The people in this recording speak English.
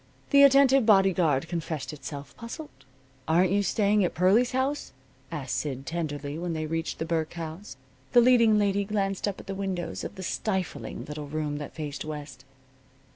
The attentive bodyguard confessed itself puzzled. "Aren't you staying at Pearlie's house?" asked Sid tenderly, when they reached the Burke House. The leading lady glanced up at the windows of the stifling little room that faced west.